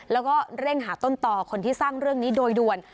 แล้วก็เร่งหาต้นต่อคนที่สร้างเรื่องนี้โดยด่วน